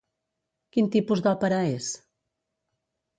Quin tipus d'òpera és?